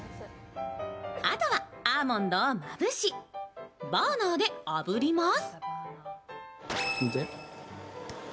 あとはアーモンドをまぶし、バーナーであぶります。